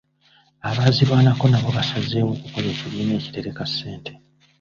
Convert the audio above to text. Abaazirwanako nabo baasazeewo okukola ekibiina ekitereka ssente.